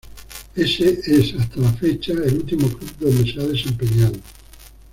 Ese es, hasta la fecha, el último club donde se ha desempeñado.